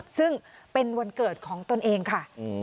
ซึ่งเป็นวันเกิดของตนเองค่ะ